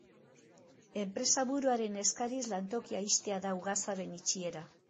Enpresaburuaren eskariz lantokia ixtea da ugazaben itxiera.